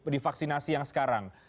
di vaksinasi yang sekarang